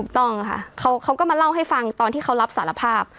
ต้องค่ะเขาก็มาเล่าให้ฟังตอนที่เขารับสารภาพ